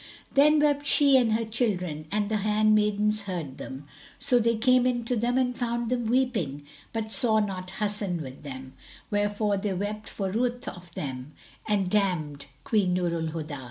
Then wept she and her children, and the handmaidens heard them: so they came in to them and found them weeping, but saw not Hasan with them; wherefore they wept for ruth of them and damned Queen Nur al Huda.